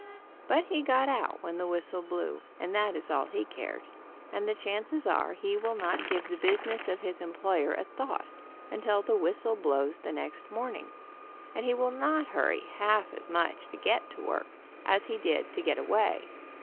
But he got out when the whistle blew, and that is all he cared, and the chances are he will not give the business of his employer a thought until the whistle blows the next morning, and he will not hurry half as much to get to work as he did to get away.